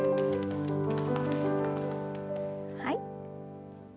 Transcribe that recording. はい。